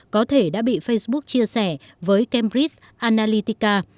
có thể đã bị facebook chia sẻ với cambridge analytica